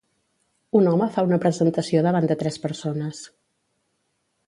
Un home fa una presentació davant de tres persones.